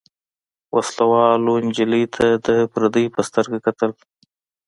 وسله والو نجلۍ ته د پردۍ په سترګه کتل.